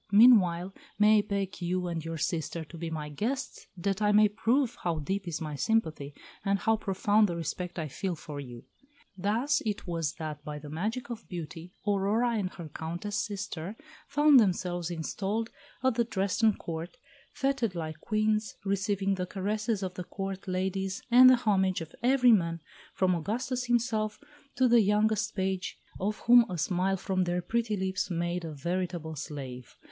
Meanwhile, may I beg you and your sister to be my guests, that I may prove how deep is my sympathy, and how profound the respect I feel for you." Thus it was that by the magic of beauty Aurora and her Countess sister found themselves installed at the Dresden Court, feted like Queens, receiving the caresses of the Court ladies, and the homage of every man, from Augustus himself to the youngest page, of whom a smile from their pretty lips made a veritable slave.